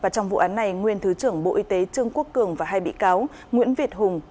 trong vụ án này nguyên thứ trưởng bộ y tế trương quốc cường và hai bị cáo nguyễn việt hùng